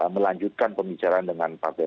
melanjutkan pembicaraan dengan partai